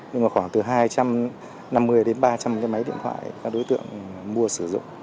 nhưng mà khoảng từ hai trăm năm mươi đến ba trăm linh cái máy điện thoại các đối tượng mua sử dụng